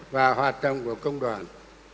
và hoạt động của công đoàn